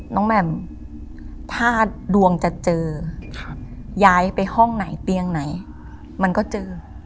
แหม่มถ้าดวงจะเจอย้ายไปห้องไหนเตียงไหนมันก็เจอ